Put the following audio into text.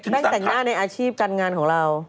งแต่งหน้าในอาชีพการงานของเรา